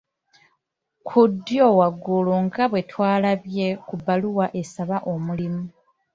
Ku ddyo waggulu nga bwe twalabye ku bbaluwa esaba omulimu.